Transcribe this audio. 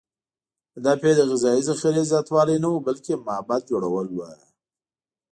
هدف یې د غذایي ذخیرې زیاتوالی نه و، بلکې معبد جوړول و.